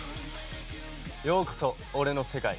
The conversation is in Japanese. ようこそ、俺の世界へ。